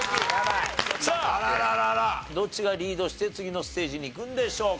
さあどっちがリードして次のステージに行くんでしょうか。